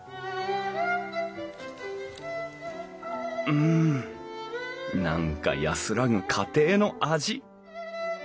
うん何か安らぐ家庭の味。